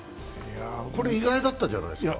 これ、意外だったんじゃなですか？